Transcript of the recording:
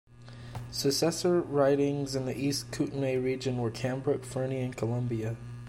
Successor ridings in the East Kootenay region were Cranbrook, Fernie, and Columbia.